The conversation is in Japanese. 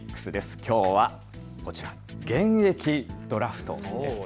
きょうはこちら、現役ドラフトです。